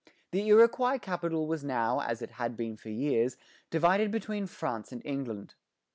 The Iroquois capital was now, as it had been for years, divided between France and England.